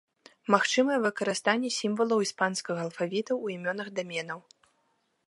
Магчымае выкарыстанне сімвалаў іспанскага алфавіта ў імёнах даменаў.